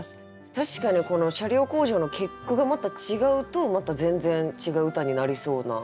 確かにこの「車両工場」の結句がまた違うとまた全然違う歌になりそうな。